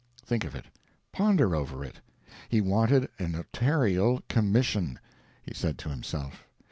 Think of it. Ponder over it. He wanted a notarial commission—he said so himself.